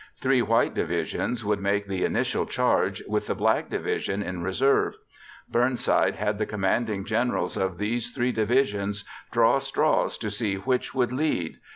Three white divisions would make the initial charge, with the black division in reserve. Burnside had the commanding generals of these three divisions draw straws to see which would lead.